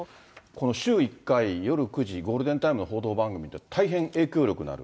この週１回夜９時、ゴールデンタイムの報道番組で大変影響力のある。